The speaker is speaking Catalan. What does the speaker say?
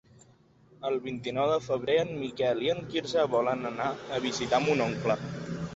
El vint-i-nou de febrer en Miquel i en Quirze volen anar a visitar mon oncle.